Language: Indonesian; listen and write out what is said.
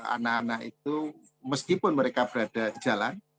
anak anak itu meskipun mereka berada di jalan